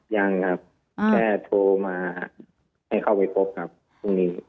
ยังครับแค่โทรมาให้เข้าไปพบครับพรุ่งนี้